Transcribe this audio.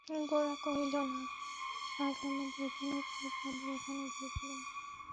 গোরা কহিল, না, আজ আমরা দুজনেই পরেশবাবুর ওখানে গিয়েছিলুম।